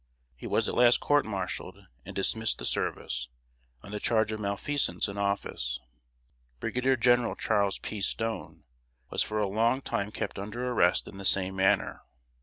He was at last court martialed and dismissed the service, on the charge of malfeasance in office. Brigadier General Charles P. Stone was for a long time kept under arrest in the same manner.